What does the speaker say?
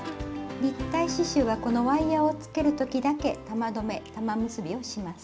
立体刺しゅうはこのワイヤーをつける時だけ玉留め玉結びをします。